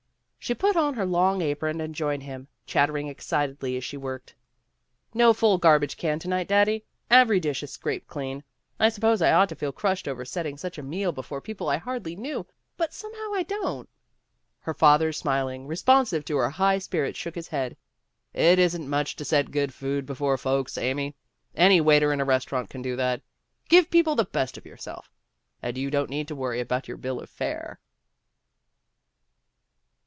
She put on her long apron and joined him, chat tering excitedly as she worked. "No full garbage can to night, Daddy. Ev ery dish is scraped clean. I suppose I ought to feel crushed over setting such a meal before WHAT'S IN A NAME? 21 people I hardly knew, but somehow I don't." Her father smiling, responsive to her high spirits, shook his head. "It isn't much to set good food before folks, Amy. Any waiter in a restaurant can do that. Give people the best of yourself and you don't need to worry about your bill of fare."